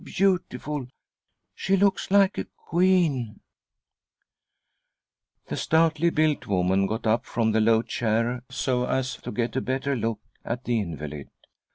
beautiful ; she looks like a queen:" : The stoutly built woman got up from the low chair so as to get a better look at the invalid.